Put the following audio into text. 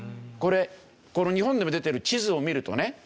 これこの日本でも出てる地図を見るとね